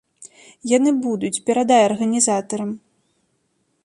Яны будуць, перадай арганізатарам.